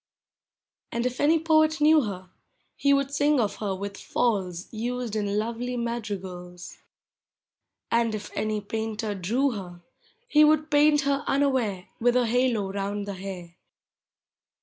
And if any poet knew her, lie would sing of her with falls Used in lovely madrigals. And if aiiy painter drew her, lie would paint her unaware With a halo round the hair.